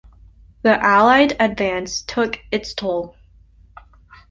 The Allied advance took its toll.